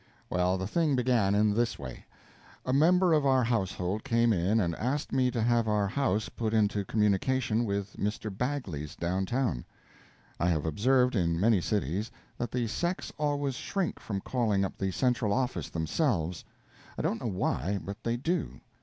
Well, the thing began in this way. A member of our household came in and asked me to have our house put into communication with Mr. Bagley's downtown. I have observed, in many cities, that the sex always shrink from calling up the central office themselves. I don't know why, but they do.